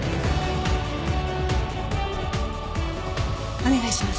お願いします。